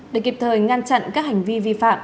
để kịp thời ngăn chặn các hành vi vi phạm